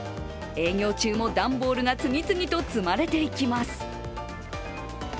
営業中も段ボールが次々と積まれていきます。